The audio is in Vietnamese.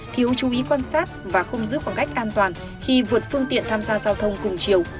thiếu chú ý quan sát và không giữ khoảng cách an toàn khi vượt phương tiện tham gia giao thông cùng chiều